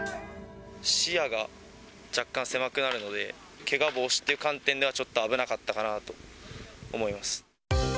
視野が若干、狭くなるので、けが防止っていう観点では、ちょっと危なかったかなと思います。